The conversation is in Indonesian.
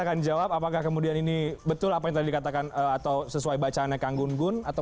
akan dijawab apakah kemudian ini betul apa yang tadi dikatakan atau sesuai bacaannya kang gunggun atau